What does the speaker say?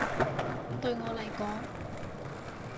對我嚟講